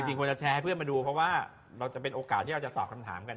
ควรจะแชร์ให้เพื่อนมาดูเพราะว่าเราจะเป็นโอกาสที่เราจะตอบคำถามกัน